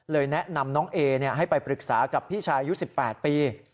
เลยแนะนำน้องเอให้ไปปรึกษากับพี่ชายุ้ยสิบแปดปี